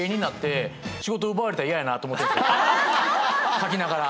書きながら。